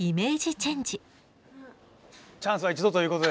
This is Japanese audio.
チャンスは一度ということで。